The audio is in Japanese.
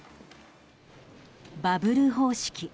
バブル方式。